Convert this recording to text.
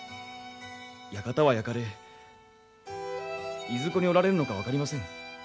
館は焼かれいずこにおられるのか分かりません。